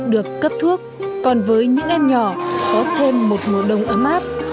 được cấp thuốc còn với những em nhỏ có thêm một ngộ đồng ấm áp